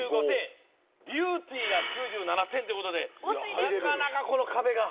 ビューティーが９７点ってことでなかなかこの壁が。